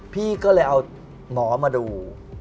พี่ก็เลยเอาหมอมาดู